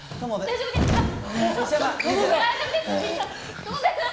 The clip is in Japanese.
大丈夫ですか！？